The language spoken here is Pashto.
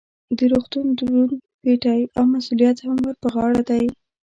د روغتون دروند پیټی او مسؤلیت هم ور په غاړه دی.